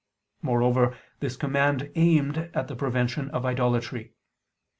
Moreover, this command aimed at the prevention of idolatry.